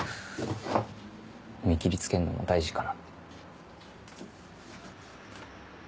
見切りつけんのも大事かなって。